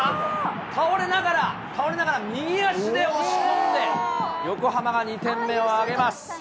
倒れながら、倒れながら、右足で押し込んで、横浜が２点目を挙げます。